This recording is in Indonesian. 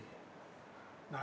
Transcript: nah ada juga